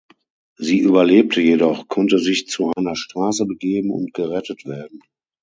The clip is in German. Sie überlebte jedoch, konnte sich zu einer Straße begeben und gerettet werden.